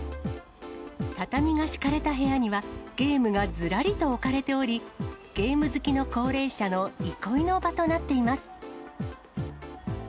畳が敷かれた部屋には、ゲームがずらりと置かれており、ゲーム好きの高齢者の憩いの場となっています。